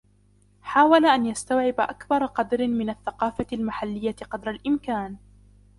حاول أن يستوعب أكبر قدر من الثقافة المحلية قدر الإمكان.